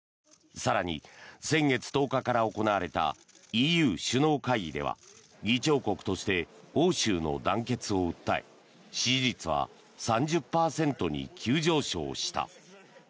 更に、先月１０日から行われたＥＵ首脳会議では議長国として欧州の団結を訴え支持率は３０％に急上昇した。